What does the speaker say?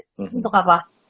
that time untuk apa